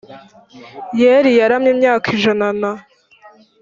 yeli yaramye imyaka ijana na